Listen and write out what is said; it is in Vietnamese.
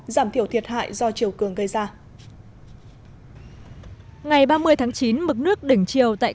giảm thiểu thiệt hại do chiều cường gây ra ngày ba mươi tháng chín mực nước đỉnh chiều tại